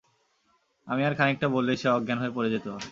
আমি আর খানিকটা বললেই সে অজ্ঞান হয়ে পড়ে যেত।